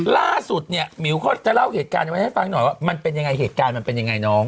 ล่าสุดเนี่ยหมิวเขาจะเล่าเหตุการณ์ไว้ให้ฟังหน่อยว่ามันเป็นยังไงเหตุการณ์มันเป็นยังไงน้อง